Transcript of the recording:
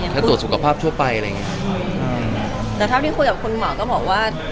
คุณพ่อคุณแม่เริ่มหวนอยากอุ้มหลานแล้ว